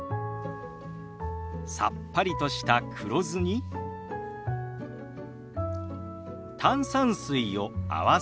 さっぱりとした黒酢に炭酸水を合わせ